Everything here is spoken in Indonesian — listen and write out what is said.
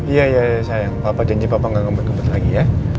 iya iya iya sayang papa janji papa gak ngebet ngebet lagi ya